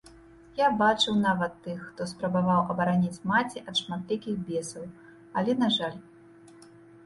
Я бачыў нават тых, хто спрабаваў абараніць маці ад шматлікіх бесаў, але, на жаль...